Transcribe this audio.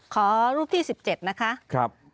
ขอรูปที่๑๗นะคะ